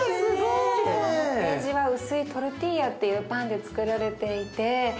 ページは薄いトルティーヤっていうパンでつくられていて。